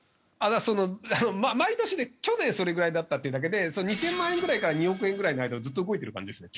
その毎年去年それぐらいだったっていうだけで２０００万円ぐらいから２億円ぐらいの間をずっと動いてる感じですね